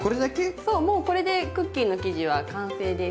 そうもうこれでクッキーの生地は完成です。